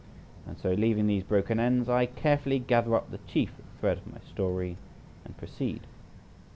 And so leaving these broken ends, I carefully gather up the chief thread of my story, and proceed.